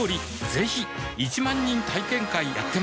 ぜひ１万人体験会やってます